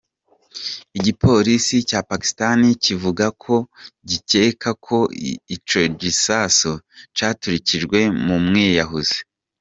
Igipolisi ca Pakistani kivuga ko gikeka ko ico gisasu caturikijwe n'umwiyahuzi.